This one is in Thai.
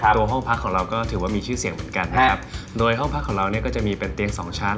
ตัวห้องพักของเราก็ถือว่ามีชื่อเสียงเหมือนกันนะครับโดยห้องพักของเราเนี่ยก็จะมีเป็นเตียงสองชั้น